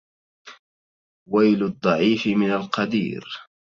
ويل الضعيف من القدير